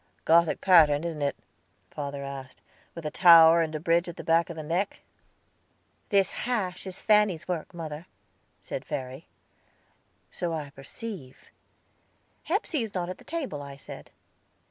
"Gothic pattern, isn't it?" father asked, "with a tower, and a bridge at the back of the neck?" "This hash is Fanny's work, mother," said Verry. "So I perceive." "Hepsey is not at the table," I said.